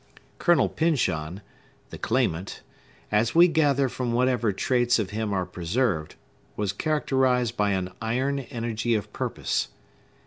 Colonel Pyncheon, the claimant, as we gather from whatever traits of him are preserved, was characterized by an iron energy of purpose.